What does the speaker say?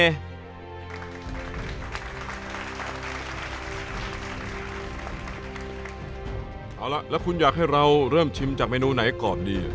เอาล่ะแล้วคุณอยากให้เราเริ่มชิมจากเมนูไหนก่อนดี